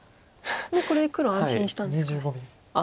もうこれで黒安心したんですかね。